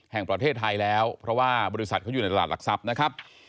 แห่งประเทศไทยแล้วเพราะว่าบริษัทเขาอยู่ในตลาดหลักทรัพย์นะครับ